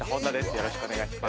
よろしくお願いします